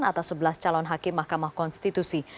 atas sebelas calon hakim mahkamah konstitusi